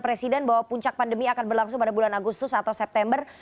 presiden bahwa puncak pandemi akan berlangsung pada bulan agustus atau september